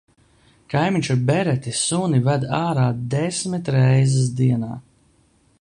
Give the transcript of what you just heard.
Kaimiņš ar bereti suni ved ārā desmit reizes dienā.